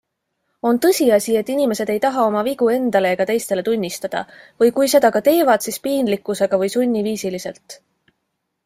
On tõsiasi, et inimesed ei taha oma vigu endale ega teistele tunnistada või kui seda ka teevad, siis piinlikkusega või sunniviisiliselt.